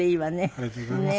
ありがとうございます。